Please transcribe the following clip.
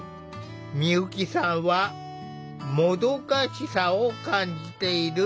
美由紀さんはもどかしさを感じている。